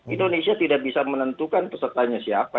indonesia tidak bisa menentukan pesertanya siapa